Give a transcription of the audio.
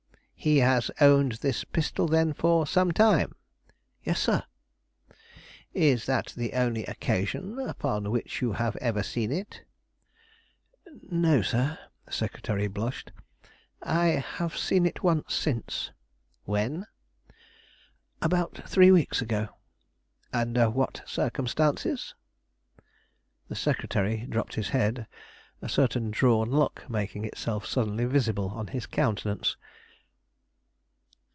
"He has owned this pistol, then, for some time?" "Yes, sir." "Is that the only occasion upon which you have ever seen it?" "No, sir," the secretary blushed "I have seen it once since." "When?" "About three weeks ago." "Under what circumstances?" The secretary dropped his head, a certain drawn look making itself suddenly visible on his countenance.